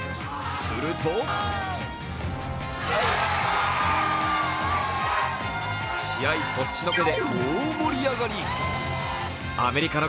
すると試合そっちのけで大盛り上がり。